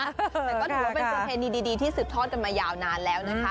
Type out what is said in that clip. แต่ก็ถือว่าเป็นประเพณีดีที่สืบทอดกันมายาวนานแล้วนะคะ